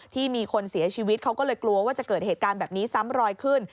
ที่มีคนเสียชีวิตเขาก็เลยกลัวว่าจะเกิดเหตุการณ์แบบนี้ซ้ำรอยขึ้น